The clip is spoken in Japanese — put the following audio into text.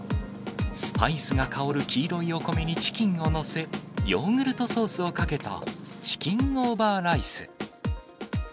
スパイスが香る黄色いお米にチキンを載せ、ヨーグルトソースをかけたチキンオーバーライス。